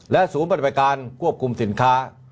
และศูนย์ปฏิบัติการปฏิบัติการกวบคุมสินค้า